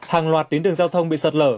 hàng loạt tuyến đường giao thông bị sạt lở